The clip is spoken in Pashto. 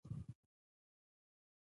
ایا زه باید لنګوټه ول تړم؟